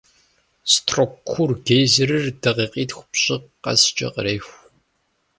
Строккур гейзерыр дакъикъитху-пщӏы къэскӀэ къреху.